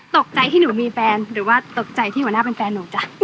ตกใจที่หนูมีแฟนหรือว่าตกใจที่หัวหน้าเป็นแฟนหนูจ้ะ